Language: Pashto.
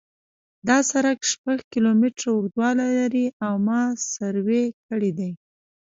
دا سرک شپږ کیلومتره اوږدوالی لري او ما سروې کړی دی